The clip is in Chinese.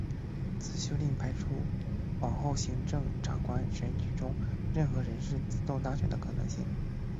此修订排除了往后行政长官选举中任何人士自动当选的可能性。